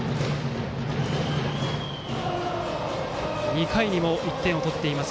２回にも１点を取っています